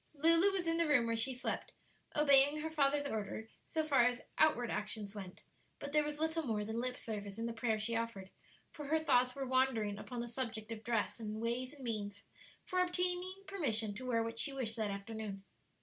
Lulu was in the room where she slept, obeying her father's order so far as outward actions went; but there was little more than lip service in the prayer she offered, for her thoughts were wandering upon the subject of dress, and ways and means for obtaining permission to wear what she wished that afternoon.